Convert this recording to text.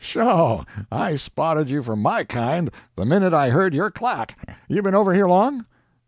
"Sho! I spotted you for MY kind the minute I heard your clack. You been over here long?"